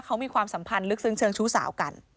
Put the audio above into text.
เขามีความสัมพันธ์ลึกซึ้งเชิงชู้สาวกัน